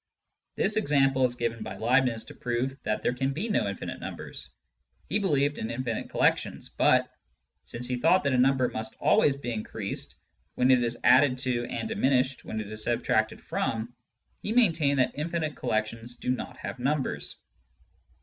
This example is given by Leibniz to prove that there can be no infinite numbers. He believed in infinite collections, but, since he thought that a number must always be increased when it is added to and diminished when it is subtracted from, he maintained that infinite collections do not have numbers.